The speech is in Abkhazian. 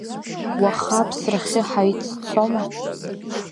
Уаха аԥсрахьы ҳаиццома?